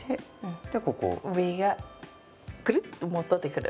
上がくるっと戻ってくる。